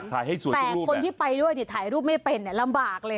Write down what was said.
แต่คนที่ไปด้วยถ่ายรูปไม่เป็นลำบากเลย